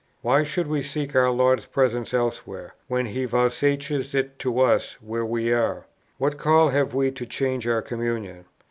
Why should we seek our Lord's presence elsewhere, when He vouchsafes it to us where we are? What call have we to change our communion?